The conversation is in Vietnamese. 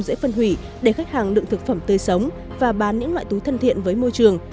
dễ phân hủy để khách hàng đựng thực phẩm tươi sống và bán những loại túi thân thiện với môi trường